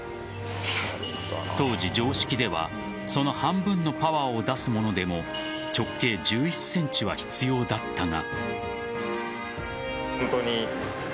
当時、常識ではその半分のパワーを出すものでも直径１１ｃｍは必要だったが。